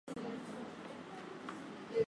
ya nchi imeendelea sana lakini maeneo ya